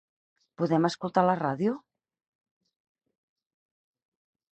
Podem escoltar la ràdio?